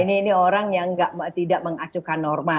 ini orang yang tidak mengacukan norma